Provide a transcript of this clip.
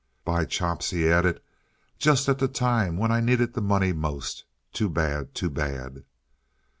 "By chops!" he added, "just at the time when I needed the money most. Too bad! Too bad!"